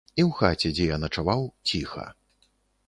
І ў хаце, дзе я начаваў, ціха.